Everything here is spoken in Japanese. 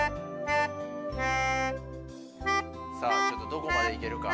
どこまでいけるか？